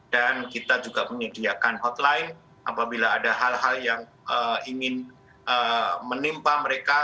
dan kita juga menyediakan hotline apabila ada hal hal yang ingin menimpa mereka